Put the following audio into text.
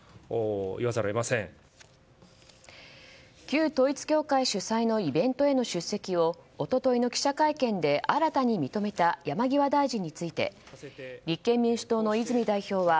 旧統一教会主催のイベントへの出席を一昨日の記者会見で新たに認めた山際大臣について立憲民主党の泉代表は